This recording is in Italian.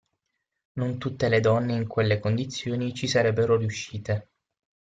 Non tutte le donne in quelle condizioni ci sarebbero riuscite.